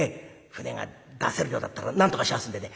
舟が出せるようだったらなんとかしやすんでね